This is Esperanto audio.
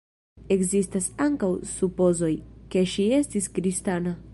Ekzistas ankaŭ supozoj, ke ŝi estis kristana.